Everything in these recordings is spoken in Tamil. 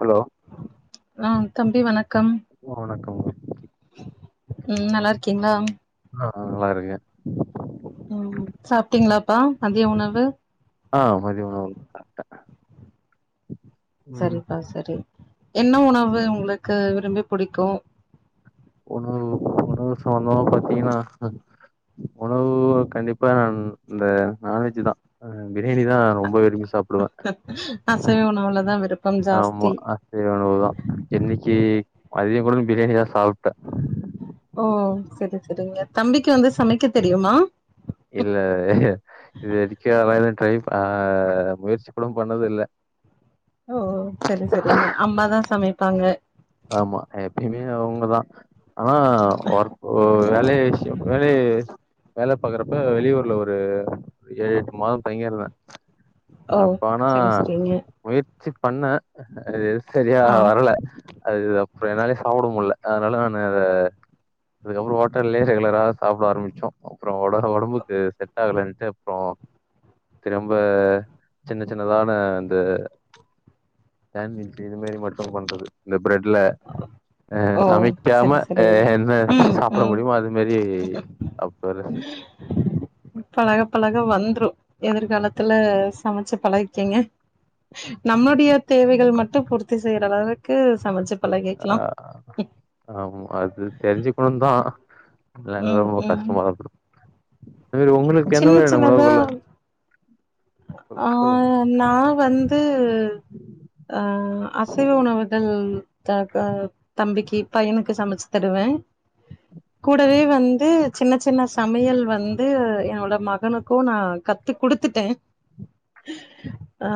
ஹலோ ம் தம்பி வணக்கம் வணக்கம் ம் நல்லா இருக்கீங்களா நா நல்லா இருக்கே ம் சாப்ட்டீங்களாப்பா மதிய உணவு ஆ மதிய உணவு சாப்டேன் சரிப்பா சரி என்ன உணவு உங்களுக்கு விரும்பி புடிக்கு உணவு உணவு சம்பந்தமா பாத்தீங்கன்னா உணவு கண்டிப்பா இந்த நான்வெஜ் தான் பிரியாணிதான் ரொம்ப விரும்பி சாப்டுவேன் அசைவ உணவுலதா விருப்பம் ஆமா ஜாஸ்தி அசைவஉணவு தான் இன்னைக்கு மதிய கூட பிரியாணி தா சாப் ட ஓ சரி சரிங்க தம்பிக்கு வந்து சமைக்க தெரியுமா இல்ல இதுக்க டரைஹ் முயற்சி கூடம் பண்ணது இல்ல ஓ ஓ சரி சரிங்க அம்மாதான் சமைப்பாங்க ஆமா எப்பயுமே அவங்கதான் ஆனா ஒரு வேலைய விஷயம் வேலைய வேல பாக்குறப்ப வெளியூர்ல ஒரு ஏழு எட்டு மாதம் தங்கியே இருந்தே ஓ அப்ப ஆனா சரி சரிங்க முயற் ச்சு பண்ண எது செரியா ஆ வரல அப்றோ என்னாலயு சாப்புடவு முல்ல அதுனால நா அத அதுக்கப்றோ ஹோட்டல்லலயே ரெகுலரா சாப்புட ஆரம்மிச்சோ அப்றோ ஒட ஒடம்புக்கு செட் ஆகலன்ட்டு அப்றோ திரும்ப சின்ன சின்னதான இந்த சேண்விச்சு இதுமாரி மட்டு பண்றது செலிப்ரேட் இல்ல அ ஓ சமைக்காம சரி ஏ சரிங்க என்ன ம் சாப்புட ம் முடியுமோ அது மாரி அப்போரென்ன பழக பழக வந்துரும் எதுர்காலத்துல சமைச்சு பழகிக்கெங்க நம்மளோட் டிய தேவைகள் மட்டும் பூர்த்தி செய்யனு அதாவது க்கு சமச்சுப் அ ஆமா அது தெரிஞ்சுக்கணுந்தா நல்ல ம் ரொம்ப ம் கஷ்டமா இருந்துருக் இது உங்களுக்கு என்ன சின்ன மேடம் சின்னதா உணவுக்கள்ள ஆ நா வந்து அ அசைவ உணவுகள் த ப தம்பிக்கு பையனுக்கு சமைச்சு தருவே கூடவே ம். வந்து சின்ன சின்ன சமையல் வந்து என்னோட மகனுக்கு நா கத்து குடுத்துட்டே ஆ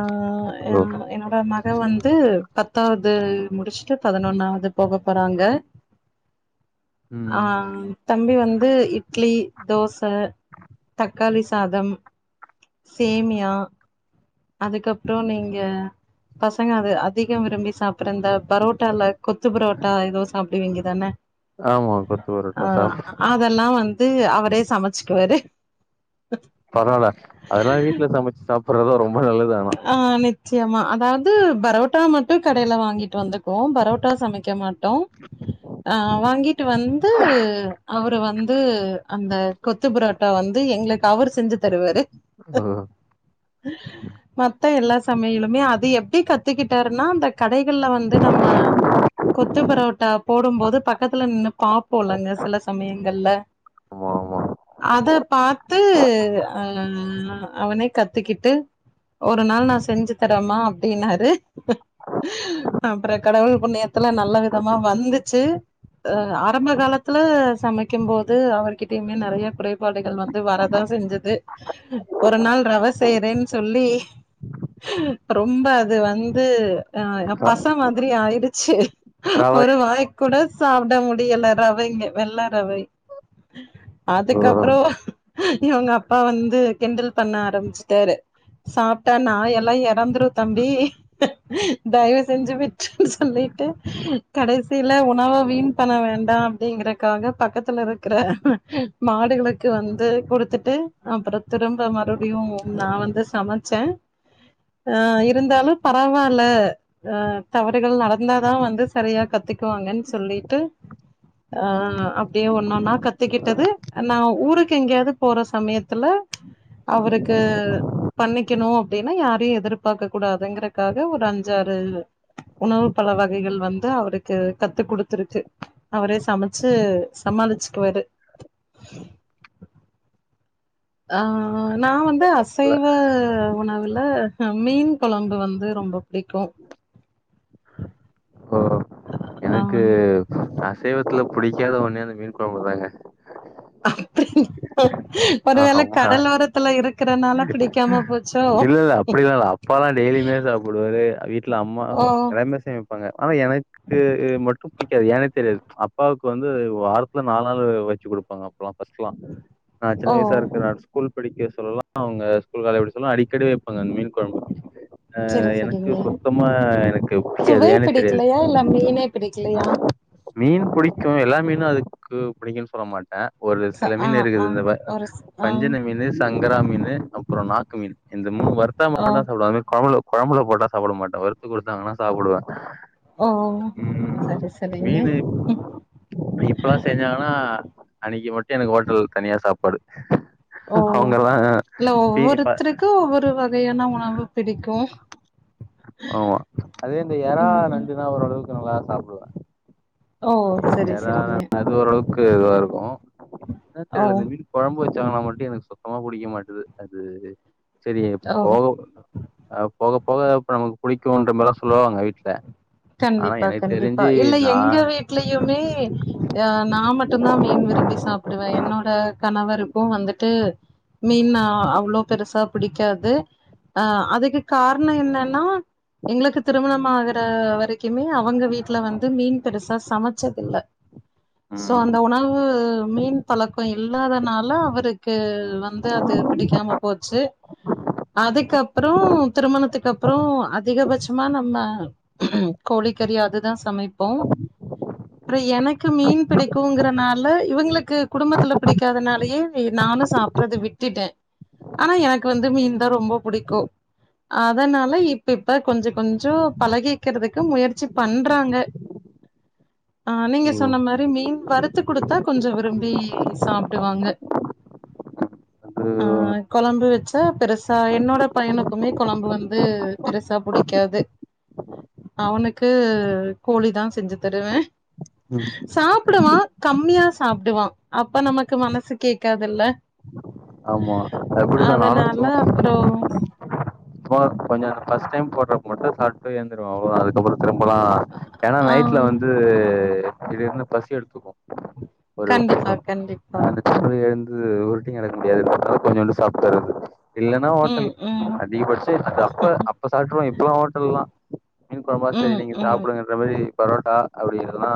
அ ஓ என்னோட மக வந்து பத்தாவது முடிச்ட்டு பதினொன்னாவது போக போறாங்க ம். ஆ தம்பி வந்து இட்லி தோச தக்காளி சாதம் சேமியா அதுக்கப்றோ நீங்க பசங்க அது அதிகம் விரும்பி சாப் அப்றோ இந்த பரோட்டா இல்ல கொத்து ப்ரோட்டா எதோ சாப்புடுவிங்கதான ஆமா கொத்து பரோட்டா அ சாப் அதெல்லா வந்து த்து அவரே சமைச்சுட்ருவாரு பரவால அதெல்லா வீட்ல சமச்சு சாப்டறதெல்லா ரொம் ஆ நிச் சியமா அதாது பரோட்டா மட்டு கடையில வாங்கிட்டு வந்துக்குவோ பரோட்டா சமைக்க மாட் டோ அ வாங்கிட்டு வந்து அவர் வந்து அந்த கொத்து புரோட்டா வந்து எங்களுக்கு அவரு செஞ்சுத் தருவாரு அதா மத்த எல்லா சமையலுமே அது எப்டி கத்துக்கிட்டாருன்னா அந்த கடைகள்ல வந்து நம்ம கொத்து பரோட்டா போடு போது பக்கத்துல நின்று பாப்போலங்க சில சமயங்கள்ல ஆமா, ஆமா. அத பாத்து து அ ம் அவனே கத்துக்கிட்டு ஒரு நாள் நா செஞ்சு தரேமா அப்டின்னாரு அப்பற கடவுள் புண்ணியத்துல நல்ல விதமா வந்துச்சு அ ஆரம்ப காலத் துல சமைக்கும் போது அவர்கிட்டயுமே நெறைய குறைபாடுகள் வந்து வரதா செஞ்சுது ஒரு நாள் ரவ செய்றேன் சொல்லி ரொம்ப அது வந்து ஆ ரா பச மாதிரி ஆயிடு ச்சு ரவை ஒரு வாய் கூட சாப்ட முடியல ரவைங்க வெள்ள ரவை ஓ அதுக்கப்றோ இவுங்க அப்பா வந்து கிண்டல் பண்ண ஆரம்பிச்சுட்டாரு சாப் டா நாய் எல்லா எறந்துரு தம்பி தயவு செஞ்சு விட்ரு சொல்லிட்டு கடைசியில உணவ வீண் பண்ண வேண்டா அப்டிங்கறக்காக பக்கத்துல இருக்குற மாடுகளுக்கு வந்து குடுத்துட்டு அப்பற திரும்ப மறுபடியு நா வந்து சமச்சே ஆ இருந்தாலு பரவாயில்ல ஆ தவறுகள் நடந்தாதா வந்து சரியா கத்துக்குவாங்கன் சொல்லிட்டு ஆ அப்டியே ஒன்னொன்னா கத்துக்கிட்டது நா ஊருக்கு எங்கேயாவது போற சமயத்துல அவருக்கு பண்ணிக்கணு அப் டினா யாரயு எதிர்பாக்க கூடாதுங்குறக்காக ஒரு அஞ்சாறு உணவு பல வகைகள் வந்து அவருக்கு கத்து குடுத்துருக்கு அவரே சமச்சு சமாளிச்சுக்குவாரு ஆ நா வந்து இல்ல அசைவ உணவுல மீன் கொழம்பு வந்து ரொம்ப பிடிக்கு ஓ எனக்கு அ சைவத்துல புடிக்காத ஒன்னே அந்த மீன் கொழம்புதாங்க அப்டிங் ஒருவேள ஆஹாம்ஹா கடலோரத்துல இருக்கறனால பிடிக்காம போச்சோ இல்ல இல்ல அப்டிலா இல்ல அப்பாலா டெய்லியுமே சாப்புடுவாரு வீட்ல அம்மா அ ஓ எல்லாமே செமைப்பாங்க ஆனா எனக்கு உ மட்டு பிடி காது ஏனே தெரியாது அப்பாவுக்கு வந்து வாரத்துல நாலு நாளு வெச்சு குடுப்பாங்க அப்பல்லா ஃபஸ்ட்லா நா சின்ன ஓ வயசா இருக்குல அ ஸ்கூல் பிடிக்கு சொல்லலா அவுங்க ஸ்கூல் அதெப்டி சொல்ல அடிக்கடி வெப்பாங்க மீன் கொழ்ப்பு ஆ செரி எனக்கு செரிங்க சுத்தமா எனக்கு புடிக்காது சுவை ஏனே தெரியாது பிடிக்கலையா இல்ல மீனே பிடிக்கலையா மீன் பிடிக்கு எல்லா மீனு அது க்கு பிடிங்கன் சொல்ல மாட் ட ஒரு ச சில ஆ மீன் ஆ இருக்குதுல வ ஒரு ஸ் ஆ வஞ்சன மீனு சங்கரா மீனு அப்றோ நாக்கு மீனு என் இது மூனு வருத்தா ஓ மட்டுந்தா சாப்டுவாங்க கொழம்புல கொழம்புல போட்டா சாப்ட மாட்ட வருத்து குடுத்தாங்கனா சாப்டுவ ஓ ம் ம் சரி சரிங்க மீனு இப்பலா செஞ்சாங்கனா அன்னைக்கு மட்டு எனக்கு ஹோட்டல்ல தனியா சாப் பாடு ஓ இல்ல ப ஒவ்வொருத்தருக்கு ஒவ்வொரு வகையான உணவு பிடிக்கும் ஆமா உம் உம் [unintelligible] சாப்டுவ சரி யார சரிங்க அது ஒரளவுக்கு இதுவாருக்கு என்ன ஓ தெரில இந்த [unintelligible] குழம்பு வச்சாங்கனா மட்டு எனக்கு சுத்தமா புடிக்கமாட்டது அது செரி ஓ போக ஹ் போக போகப்ப நமக்கு புடிக்குன்ற மாரிலா சொல்வாங்க வீட்ல ஆனா கண்டிப்பா எனக்கு கண்டிப்பா தெரிஞ்சு இல்ல எங்க நான் வீட்லயுமே அஹ் நா மட்டுந்தா மீன் விரும்பி சாப்டுவ என்னோட கணவருக்கு வந்துட்டு மீன்னா அவ்ளோ பெருசா பிடிக்காது அ அதுக்கு காரணம் என்னனா எங்ளுக்கு திருமணமாகற வ வரைக்குமே அவங்க வீட்ல வந்து மீன் பெருசா சமச்சதில்ல சோ ம், அந்த உணவு மீன் பளக்கோ இல்லாதனால அவருக்கு வந்து அது பிடிக்காம போச்சு அதுக்கப்ரோ திருமணத்துக்கு அப்ரோ அதிகபட்சோ சுமா நம்ம கோழிக்கறி அதுதா சமைப்போ அப்ரோ எனக்கு மீன் பிடிக்குங்கறனால இவங்ளுக்கு குடும்பத்துல பிடிக்காதனாலையே நானு சாப்ட்றது விட்டுட்ட ஆனா எனக்கு வந்து மீன்தா ரொம்ப புடிக்கு அதனால இப்ப இப்ப கொஞ்ச கொஞ்சோ பழகிக்றது முயற்சி பண்றாங்க அ நீங்க ஓ, சொன்ன மாரி மீன் வறுத்து குடுத்தா கொஞ்சோ விரும்பி சாப்டுவாங்க அது அ கொழம் குழம்பு வச்சா பெருசா என்னோட பையனுக்குமே குழம்பு வந்து பெருசா புடிக்காது அவனுக்கு கோழிதா செஞ்சு தருவ ம், சாப் ப்டுவா கம்மியா சாப்டுவா அப்ப நமக்கு மனசு கேக்காதுல்ல ஆமா அப்டிதா நானு அதனால சும்மா அப்றோ சும்மா கொஞ்சோ ஃபஸ்ட் டைம் போட்றப்ப மட்டு சாப்டு எந்துருவ அவ்ளோதா அதுக் அதுக்கப்ரோ திரும்பலா ஏனா ஆ நைட்ல வந்து இது இருந்தா பசி எடுத்துக்கு ஒரு கண்டிப்பா கண்டிப்பா அந்த சொ எழுந்து து உருட்டி க முடியாது அத கொஞ்சோன்டு சாப்ட்டுரது இல்லைன்னா ஹோட்டல் ம் ம் அதிகபடிச்சு அது அப்ப அப்ப சாப்பிட்றுவோ லா ஹோட்டல்தா மீன் குழம்பா சரி ம் நீங்க ம் சாப்புடுங்கன்ற மாரி பரோட்டா அப்படிங்கறிறதுதா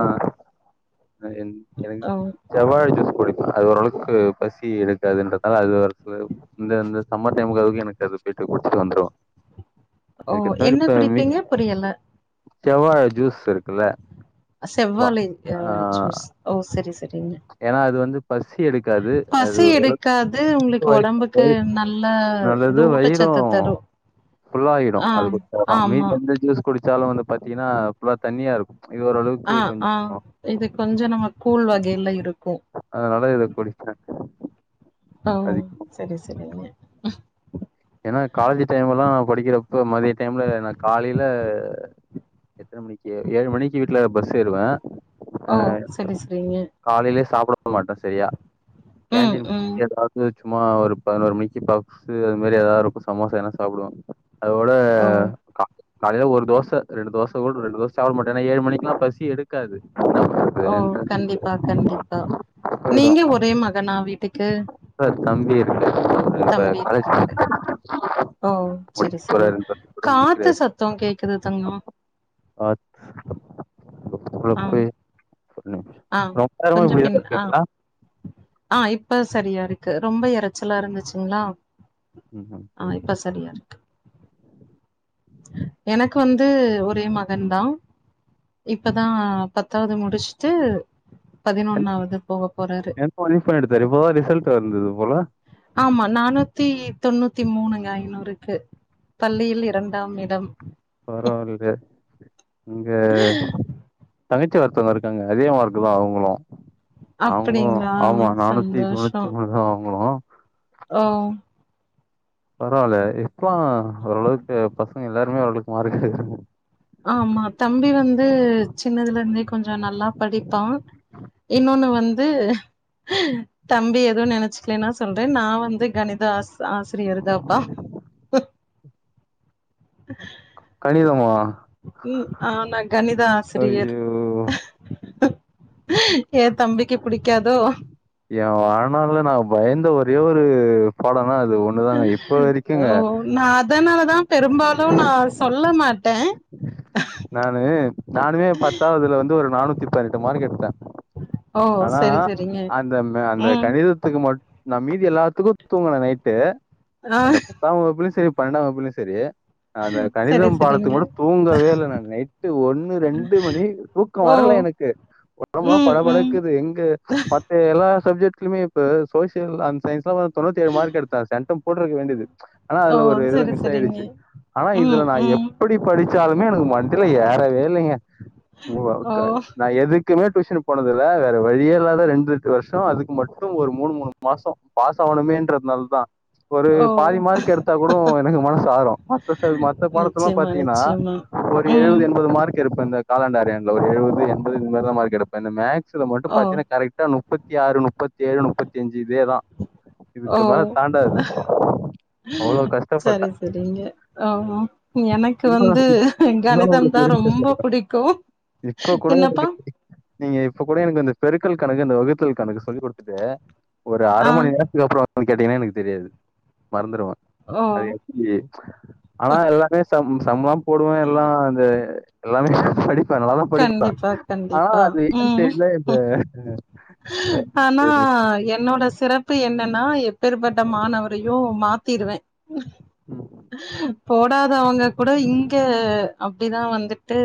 எவங் எவங் ஓ செவ்வாழ ஜ குடிப்ப அது ஓரளவுக்கு பசி எடு றதுன்றதால அது ஒரு இந்த இந்த சம்மர் டைமுக்கு அதுக்கும் எனக்கு அது போயட்டு குடிச்சு வந்துரும் ஓ என்ன குடிப்பீங்க புரியல செவ்வாழ ஜூஸ் இருக்குல்ல செவ்வாழை ஆஹ் ஜுஸ் ஓ செரி செ ஏன்னா அது வந்து பசி எடுக்காது அது பசி ஒரு எடுக்காது உங்களுக்கு வயிற் ஒடம்புக்கு வயிற் நல்ல இது நல்லது ஊட்டச்சத்து வயிறும் தரு ஃபுல்லாகிடும் ஆ அது குட்ச்சது ஆமா மீதி எந்த ஜூஸ் குடிச்சாலும் வந்து பாத்தீங்கன்னா இதுவா தண்ணியா இருக்கு ஆ ஆ இது கொஞ்சோ நம்ம கூழ் வகை இல்ல இருக்கும் அதனால இத குடிப்பேன் ஓ அது செரி செரிங்க ஏன்னா காலேஜ் டைம்லா படிக்கிறப்ப மதிய டைம்ல நா காலையில எத்தனை மணிக்கி ஏழு மணிக்கி வீட்டுல பஸ் ஏறுவே ஓ அ் சரி சரிங்க காலையிலயே சாப்புட பக்க மாட்ட செரியா ம் கேன்டீன் போ ம் எதாவது சும்மா ஒரு பதுனோரு மணிக்கி பப்ஸு இது மாரி எதாவது இருக்கும் சமோசா வேன்ன சாப்புடுவோ அதோட ஓ கா காலையில ஒரு தோச ரெண்டு தோச கூட ரெண்டு ரோஸ்ட் சாப்புடமாட்டே ஏன்னா ஏழு மணிக்குலா பசி பசி எடுக்காது என்ன ஓ பண்றது கண்டிப்பா கண்டிப்பா போயிடுவே நீங்க ஒரே மகனா வீட்டுக்கு சார் தம்பி இருக்கு அவரு இப்ப தம்பி காலேஜ் இருக்காங்க ஓ முடிக்க செரி செரி போறாரு இந்த வருஷத்தோட காத்து முடிக்கிறாரு சத்தோ கேக்குது தங்கோ கு ஆ குழப்பு ஆ கொஞ்ச பின் ஆ ஆ இப்ப சரியா இருக்கு க்கு ரொம்ப எறச்சலா இருந்துச்சுங்ளா ம் ம் ஆ சரி இப்ப சரியா இருக்கு எனக்கு வந்து ஒரே மகன் தா இப்பதா பத்தாவது முடிச்ட்டு பதினொன்னாவது போகப் என்ன மனிஷ் பண்ணி எடுத்தாரு இப்பதா ரிசல்ட் வந்தது போல ஆமா நானூத்தி தொண்ணூத்தி மூணுங்க ஐந்நூறுக்கு பள்ளியில் இரண்டாம் இடம் பரவாயில்ல இங்க தங்கச்சி ஒர்த்தங்க இருக்காங்க அதே மார்க்கு தா அவுங்களு அவுங்களு அப்படிங்களா ஆமா நானூத்தி சந்தோஷோ தொண்ணூத்தி மூணுதா அவுங்களு ஓ பரவால்லயே இப்போ ஒரளவுக்கு பசங்க எல்லாருமே ஒரளவுக்கு மார்க் எடுக்குறாங்க ஆமா தம்பி வந்து சின்னதுலருந்தே கொஞ்சோ நல்லா படிப்பா இன்னொன்னு வந்து தம்பி எதோ நெனச்சிக்கலன்னா சொல்ற நா வந்து கணித ஆச் ஆசிரியர் தாம்பா கணிதமா ம் அ நா கணிதா ஆசிரியர் ஐயோ ஹ ஏ தம்பிக்கு புடிக்காதோ எ வாழ்னால்ல நா பயந்த ஒரே ஒரு பாடோ ஒ நா அதனாலதா பெரும்பாலு நா சொல்ல மாட்ட நானு நானுமே பத்தாவதுல வந்து ஒரு நானூத்தி பதினெட்டு மார்க் எடுத்த ஓ ஆனா செரி செரிங்க அந்த மே அந்த ம் கணிதத்துக்கு மட் நா மீதி எல்லாத்துக்குமே தூங்குன நைட்டு ஆ அந்த பத்தாவகுப்புலயு செரி பன்னெண்டா வகிப்பிலு செரி அந்த செரி கணிதம் பாடத்துக்கு செரிங்க மட்டு தூங்கவேள்ளங்க நைட்டு ஒன்னு ரெண்டு மணி தூக்கோ ஓ வரல எனக்கு ஒடம்பலா ம் ம் படபடக்குது எங்க மத்த எல்லா சப்ஜெக்ட்ஸ்லயு இப்போ சோஷியல் அன் சயின்ஸ்லா தொண்ணூத்தி ஏழு மார்க் எடுத்த சென்டம் போட்ருக்க வேண்டியது ஆனா ஓ அதுல ஒரு இதுல செரி மிஸ் செரிங்க ஆயிடுச்சி ஆனா இதுல ம் நா ம் எப்படி டிச்சாலுமே எனக்கு மண்டைல ஏறவே இல்லைங்க ஒருத்த ஓ நா எதுக் குமே டியூஷன் போனதுல்ல வேற வழியே இல்லாத ரெண்டு ரட்டு வருஷோ அதுக்கு மட்டு ஒரு மூணு மூணு மாசோ பாஸ் ஆவணுமேன்றத்னால் தா ஒரு ஓ பாதி மார்க் எடுத்தா கூடோ எனக்கு மனசு ஆரு மத்த சப் மத்த பாடத்துல்லா நிச்சயமா பாத் அ நிச்சயமா ஒரு ம் எழுவது எண்பது மார்க் கிருப்ப இந்த காலாண்டரையாண்டுல ஒரு எழுவது எண்பது இது மாரிதா மார்க் எடுப்ப இந்த மேக் ஸ்ல மட்டு ஓ பாத்தீன்னா கரெக்டா நுப்பத் தி ஆறு நுப்பத்தி ஏழு நுப்பத்தி அஞ்சி இதேதா ஓ இதுக்கு மேல தாண்டாது அவ்ளோ கஷ்டப்பட்ட சரி சரிங்க ஓ எனக்கு இருந்தாலு வந்து இருந்தாலு கணிதம் உங்களுக்கு தா ஒரு‌ ரொம்ப [unintelligible] புடிக்கு இப்ப கூட எனக்கு என்னப்பா நீங்க இப்ப கூட எனக்கு அந்த ஸ்பரிட் கல் கணக்கு அந்த வகுத்தல் கணக்கு சொல்லி குடுத்துட்டே ஒரு அர ஆ மணி நேரத்துக்கு அப்றோ அது கேட்டீங்னா எனக்கு தெரியாது மறந்துறுவ ஓ அது எ ஏ ஆனா எல்லா இது சம் சம் லா போடுவே எல்லா அந்த எல்லாமே படி கண்டிப்பா கண்டிப்பா என்னன்னு ம் தெரியல இந்த ம் அஹ், ஆனா என்னோட சிறப்பு என்னனா எப் எப்பேர்பட்ட மாணவரையு மாத்திருவே ம், போடாதவங்க கூட இங்க அப்டிதா வந்துட்டு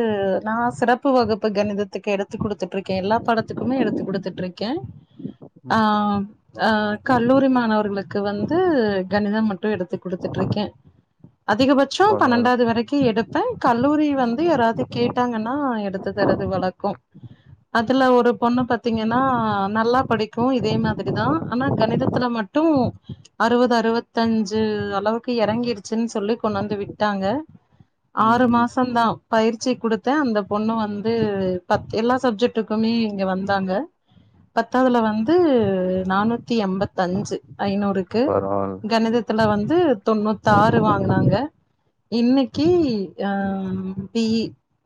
நா சிறப் பு வகுப்பு கணிதத்துக்கு எடுத்து குடுத்துட் ருக்கே எல்லா படத்துக்குமே எடுத்து குடுத்துட்டு இருக் கே ஆ ம். அ கல்லூரி மாணவர்களுக்கு வந்து கணிதம் மட்டு எடுத்து குடுத்துட்டு இருக்கே அதிகபட்சோ பரவால்ல. பன்னெண்டாவது வரைக்கி எடுப்பே கல்லூரி வந் ரி யாராவது கேட்டாங்கன்னா எடு த்து தரது வழக்கோ அதுல ஒரு பொண்ணு பாத் த்தீங்கன்னா நல்லா படிக்கூ இதே மாதிரிதா ஆனா கணிதத்துல மட்டு அறுவது அறுவத்தஞ்சு அளவுக்கு எறங்கிருச்சின்னு சொல்லி கொண்டுந்து விட்டாங்க ம், ஆறு ம். மாசம் தா பயிற்சி குடுத்தே அந்த பொண்ணு வந்து பத்து எல்லா சப்ஜெக்ட் ட்டுக்குமே இங்க வந்தாங்க பத்தாவதுல வந்து து நானூத்தி என்பத் அஞ்சு ஐநூறுக்கு பரவால்ல. கணிதத்துல வந்து தொண்ணூத்தாறு வாங்னாங்க இன்னிக்கி அ பி இ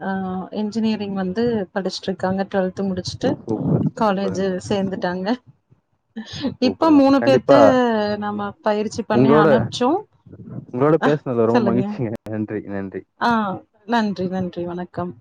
ஆ இஞ் ஜினியரிங் வந்து படிச்சுட்டு இருக்காங்க டுவெல் த்து முடிச்சுட்டு சூப்பர், காலேஜு சூப்பருங்க, சேந்துட்டாங்க இப்ப சூப்பருங்க. மூணு பேத்த கண்டிப்பா நம்ம பயிற்சி பண்ணி உங்களோட அனுப்பிச்சோ உங்களோட பேசுனதுல ரொம்ப சொல்லுங்க மகிழ்ச்சிங்க. நன்றி, நன்றி. ஆ நன் நன்றி நன்றி வணக்கம்